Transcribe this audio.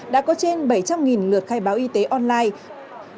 đã có trên bảy trăm linh lượt khai báo y tế online